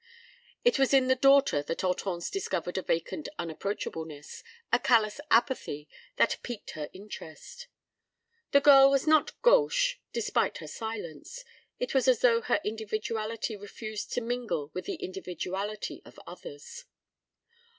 It was in the daughter that Hortense discovered a vacant unapproachableness, a callous apathy that piqued her interest. The girl was not gauche, despite her silence. It was as though her individuality refused to mingle with the individuality of others.